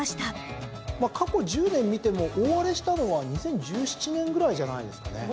過去１０年見ても大荒れしたのは２０１７年ぐらいじゃないですかね。